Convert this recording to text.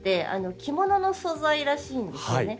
着物の素材らしいんですよね。